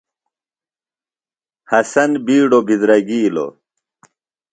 حسن بِیڈوۡ بِدرگِیلوۡ۔